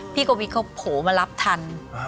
พี่โกวิคเขาโผล่มารับทัน